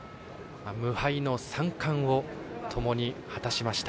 無敗の三冠を果たしました。